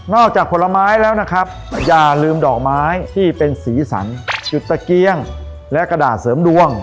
อกจากผลไม้แล้วนะครับอย่าลืมดอกไม้ที่เป็นสีสันจุดตะเกียงและกระดาษเสริมดวง